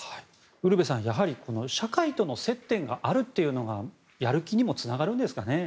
ウルヴェさん、やはり社会との接点があるというのがやる気にもつながるんですかね。